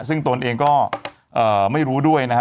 ซึ่งตนเองก็ไม่รู้ด้วยนะครับ